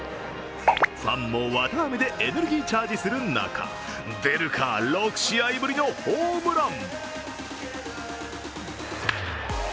ファンも綿あめでエネルギーチャージする中、出るか、６試合ぶりのホームラン。